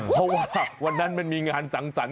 เพราะว่าวันนั้นมันมีงานสังสรรค